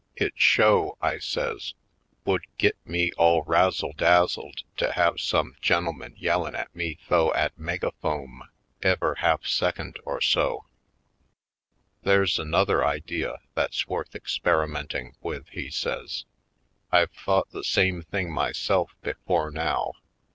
It sho'," I says, "would git me all razzle dazzled to have some gen'elman yellin' at me th'ough 'at mega phome ever' half secont or so." "There's another idea that's worth ex perimenting with," he says. "I've thought the same thing myself before now.